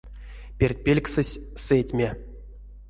Перть пельксэсь сэтьме.